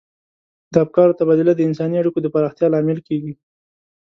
د افکارو تبادله د انساني اړیکو د پراختیا لامل کیږي.